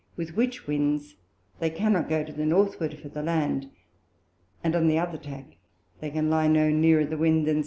with which Winds they cannot go to the Northward for the Land; and on the other Tack they can lie no nearer the Wind than S.